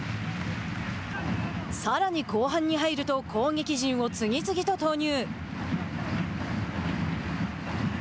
さらに後半に入ると攻撃陣を次々と投入。